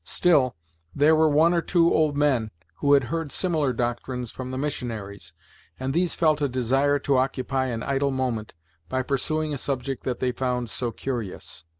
Still there were one or two old men who had heard similar doctrines from the missionaries, and these felt a desire to occupy an idle moment by pursuing a subject that they found so curious.